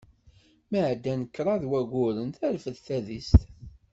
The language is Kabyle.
Mi ɛeddan kraḍ waguren terfed tadist.